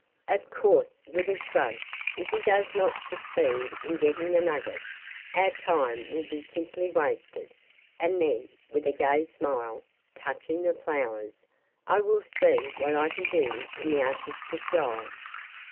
Of course,' with a shrug, 'if he does not succeed in getting the nugget, our time will be simply wasted, and then,' with a gay smile, touching the flowers, 'I will see what I can do in the artistic line.